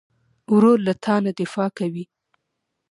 ورور له تا نه دفاع کوي.